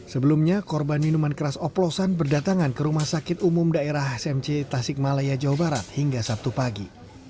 sebelumnya korban minuman keras oplosan berdatangan ke rumah sakit umum daerah smc tasik malaya jawa barat hingga sabtu pagi